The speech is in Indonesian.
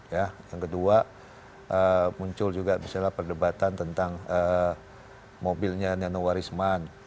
ya yang kedua muncul juga misalnya perdebatan tentang mobilnya nenowarisman